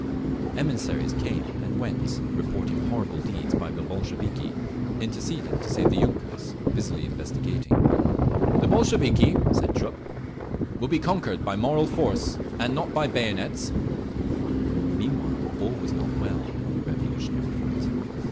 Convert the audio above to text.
… Emissaries came and went, reporting horrible deeds by the Bolsheviki, interceding to save the yunkers, busily investigating…. "The Bolsheviki," said Trupp, "will be conquered by moral force, and not by bayonets….." Meanwhile all was not well on the revolutionary front.